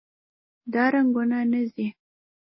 دا رنګونه نه ځي.